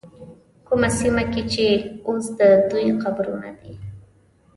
کومه سیمه کې چې اوس د دوی قبرونه دي.